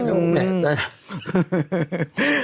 แล้วมันแหละ